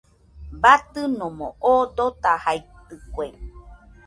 Batɨnomo oo dotajaitɨkue.